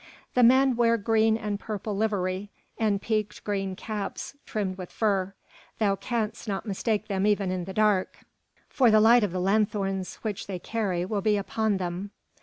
"The men wear green and purple livery, with peaked green caps trimmed with fur. Thou canst not mistake them even in the dark, for the light of the lanthorns which they carry will be upon them.